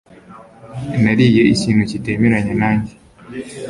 Nariye ikintu kitemeranya nanjye.